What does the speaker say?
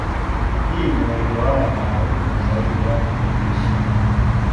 Hii ni riwaya maarufu zaidi ya mwandishi.